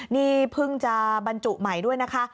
นี่เพิ่งจะบรรจุใหม่ด้วยนะคะ